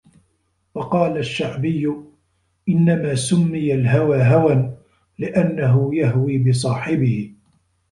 وَقَالَ الشَّعْبِيُّ إنَّمَا سُمِّيَ الْهَوَى هَوًى ؛ لِأَنَّهُ يَهْوِي بِصَاحِبِهِ